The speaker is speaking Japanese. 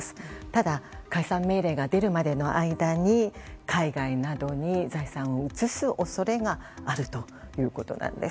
ただ、解散命令が出るまでの間に海外などに財産を移す恐れがあるということです。